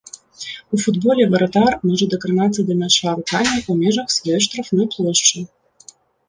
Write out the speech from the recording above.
У футболе варатар можа дакранацца да мяча рукамі ў межах сваёй штрафной плошчы.